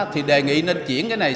thì đề nghị nên chuyển cái này